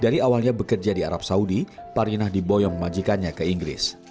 dari awalnya bekerja di arab saudi parinah diboyong majikannya ke inggris